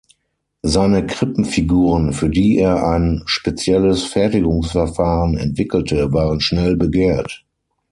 Seine Krippenfiguren, für die er ein spezielles Fertigungsverfahren entwickelte, waren schnell begehrt.